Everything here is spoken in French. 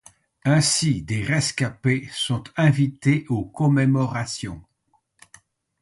Ainsi, des rescapés sont invités aux commémorations.